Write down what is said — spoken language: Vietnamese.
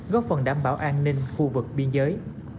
góp phần đảm bảo an ninh khu vực biên giới